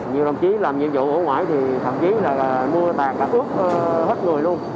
nhiều đồng chí làm nhiệm vụ ở ngoài thì thậm chí là mưa tạt gắt ướt hết người luôn